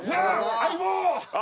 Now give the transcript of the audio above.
相棒！